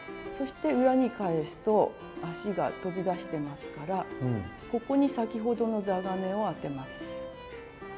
そして裏に返すと足が飛び出してますからここに先ほどの座金を当てます。